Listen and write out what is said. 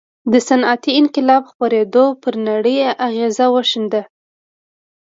د صنعتي انقلاب خپرېدو پر نړۍ اغېز وښند.